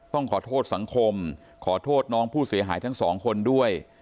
ต้องขอโทษสังคมขอโทษน้องผู้เสียหายทั้งสองคนด้วย